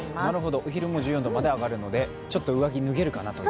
お昼も１４度まで上がるので、上着脱げるかなと。